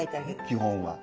基本は。